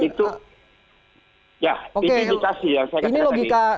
itu ya indikasi yang saya katakan tadi